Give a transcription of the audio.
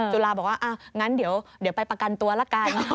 จุฬาบอกว่างั้นเดี๋ยวไปประกันตัวละกัน